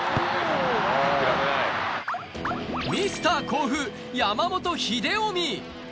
ミスター甲府、山本英臣。